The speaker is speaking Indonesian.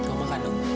kamu makan dong